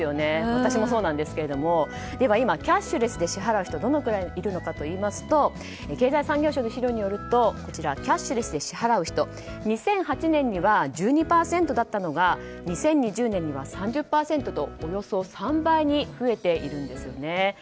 私もそうなんですけども今、キャッシュレスで支払う人どのぐらいいるかといいますと経済産業省の資料によるとキャッシュレスで支払う人は２００８年には１２％だったのが２０２０年には３０％とおよそ３倍に増えているんですね。